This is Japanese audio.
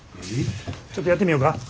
ちょっとやってみよか。